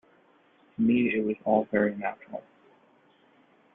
To me it was all very natural.